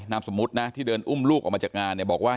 สมมุตินะที่เดินอุ้มลูกออกมาจากงานเนี่ยบอกว่า